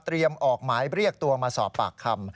ออกหมายเรียกตัวมาสอบปากคำ